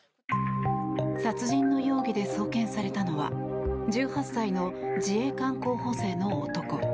殺人の容疑で送検されたのは１８歳の自衛官候補生の男。